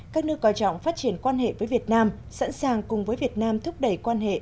các nước coi trọng phát triển quan hệ với việt nam sẵn sàng cùng với việt nam thúc đẩy quan hệ